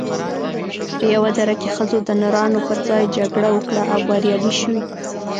په یوه دره کې ښځو د نرانو پر ځای جګړه وکړه او بریالۍ شوې